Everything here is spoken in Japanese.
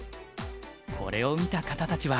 これを見た方たちは。